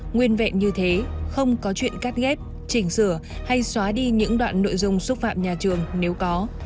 nguyên vẹn như thế không có chuyện cắt ghép chỉnh sửa hay xóa đi những đoạn nội dung xúc phạm nhà trường nếu có